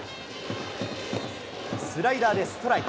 スライダーでストライク。